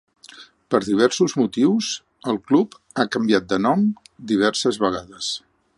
Per diversos motius el club ha canviat de nom diverses vegades.